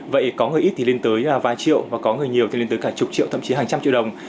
vậy có người ít thì lên tới vài triệu và có người nhiều thì lên tới cả chục triệu thậm chí hàng trăm triệu đồng